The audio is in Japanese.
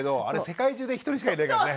世界中で一人しかいないからね。